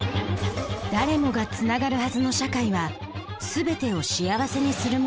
誰もがつながるはずの社会は全てを幸せにするものではない。